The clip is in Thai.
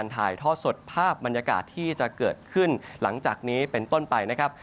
ถ่ายทอดสดภาพบรรยากาศที่จะเกิดขึ้นหลังจากนี้เป็นต้นไปนะครับ